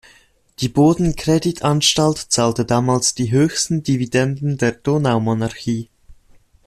Die Boden-Credit-Anstalt zahlte damals die höchsten Dividenden der Donaumonarchie.